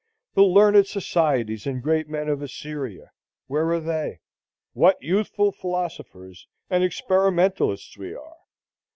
The learned societies and great men of Assyria,—where are they? What youthful philosophers and experimentalists we are!